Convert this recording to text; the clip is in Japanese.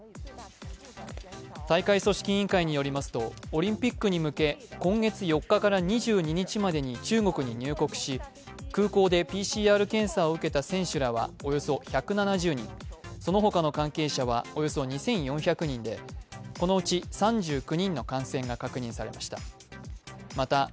大会組織委員会によりますとオリンピックに向け今月４日から２２日までに中国に入国し、空港でＰＣＲ検査を受けた選手らはおよそ１７０人、その他の関係者はおよそ２４００人で、このうち３９人の感染が確認されました。